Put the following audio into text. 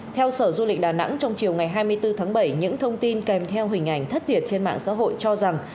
theo sở du lịch đà nẵng trong chiều ngày hai mươi bốn tháng bảy những thông tin kèm theo hình ảnh thất thiệt trên mạng xã hội cho rằng